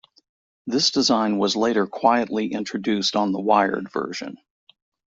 This design was later quietly introduced on the wired version.